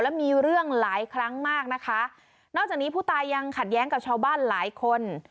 และมีเรื่องหลายครั้งมากนะคะนอกจากนี้ผู้ตายยังขัดแย้งกับชาวบ้านหลายคน